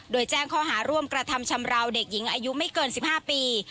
โดยแจ้งข้อหาร่วมกระทำชำราวเด็กหญิงอายุไม่เกิน๑๕ปี